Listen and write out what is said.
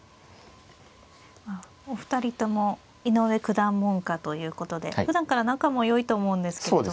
お二人とも井上九段門下ということでふだんから仲もよいと思うんですけれども。